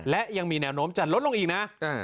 และยังมีแนวโน้มจะลดลงอีกนะ